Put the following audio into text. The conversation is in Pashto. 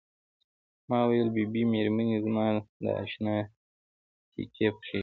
ما وویل بي بي مېرمنې زما د اشنا تیکې پخیږي.